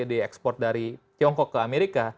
diekspor dari tiongkok ke amerika